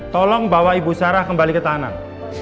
tolong bawa ibu sarah kembali ke tanah